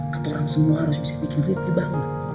kata orang semua harus bisa bikin rifki bangun